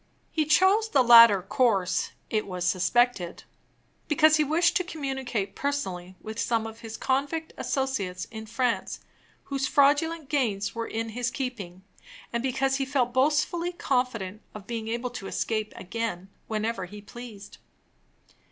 He chose the latter course it was suspected, because he wished to communicate personally with some of his convict associates in France, whose fraudulent gains were in his keeping, and because he felt boastfully confident of being able to escape again, whenever he pleased.